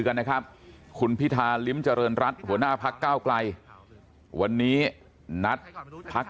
กันนะครับคุณพิธาลิ้มเจริญรัฐหัวหน้าพักเก้าไกลวันนี้นัดพัก